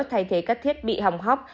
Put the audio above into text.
thay thế các thiết bị hỏng hóc